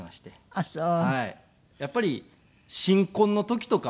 あっそう。